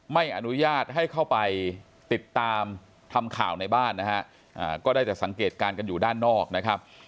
ไม่อนุญาตให้เข้าไปติดตามทำข่าวในบ้านนะฮะก็ได้แต่สังเกตการณ์กันอยู่ด้านนอกนะครับ